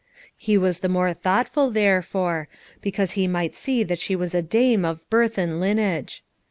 He was the more thoughtful therefore, because he might see that she was a dame of birth and lineage.